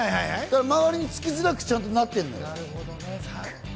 周りにつきづらく、ちゃんとなってるの。